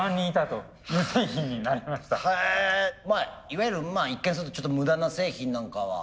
いわゆる一見するとちょっと無駄な製品なんかは。